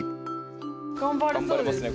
頑張れそうです。。